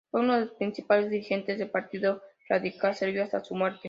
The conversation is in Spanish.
Fue uno de los principales dirigentes del Partido Radical serbio hasta su muerte.